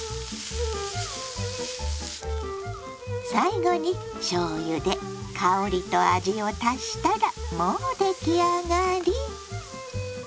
最後にしょうゆで香りと味を足したらもう出来上がり！